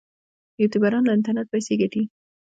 یوټیوبران له انټرنیټ پیسې ګټي